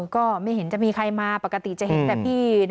ก็ไม่เห็นจะมีใครมาปกติจะเห็นแต่พี่